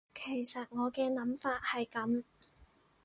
其實我嘅諗法係噉